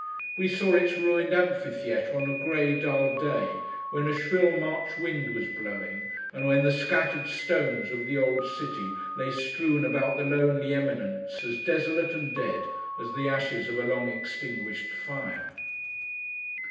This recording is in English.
We saw its ruined amphitheatre on a grey, dull day, when a shrill March wind was blowing, and when the scattered stones of the old city lay strewn about the lonely eminence, as desolate and dead as the ashes of a long extinguished fire.